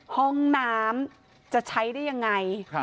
ห้องน้ำจะใช้ได้ยังไง